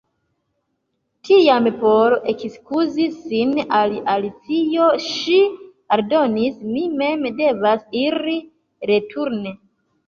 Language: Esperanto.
Tiam por ekskuzi sin al Alicio ŝi aldonis: "Mi mem devas iri returne. »